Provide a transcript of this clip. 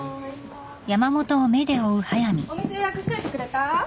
お店予約しといてくれた？